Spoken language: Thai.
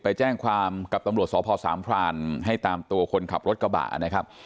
ไปแจ้งความกับตำรวจสพสามพรานให้ตามตัวคนขับรถกระบะนะครับ